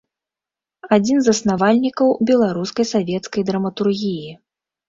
Адзін з заснавальнікаў беларускай савецкай драматургіі.